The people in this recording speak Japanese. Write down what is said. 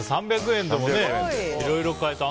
３００円でもいろいろ買えて。